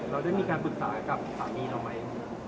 เราได้มีการปรึกษากับสามีเราไหม